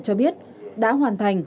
cho biết đã hoàn thành